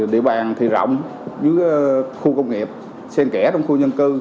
địa bàn thì rộng dưới khu công nghiệp xen kẻ trong khu nhân cư